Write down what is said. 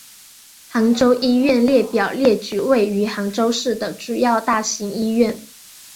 杭州医院列表列举位于杭州市的主要大型医院。